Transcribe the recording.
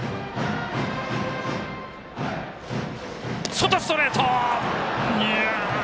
外、ストレート！